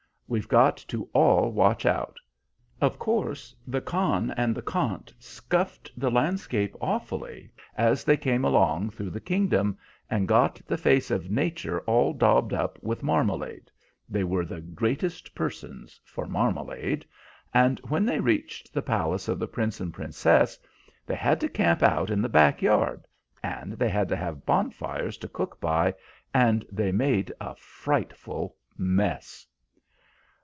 "We've got to all watch out. Of course the Khan and the Khant scuffed the landscape awfully, as they came along through the kingdom, and got the face of nature all daubed up with marmalade they were the greatest persons for marmalade and when they reached the palace of the Prince and Princess they had to camp out in the back yard, and they had to have bonfires to cook by, and they made a frightful mess.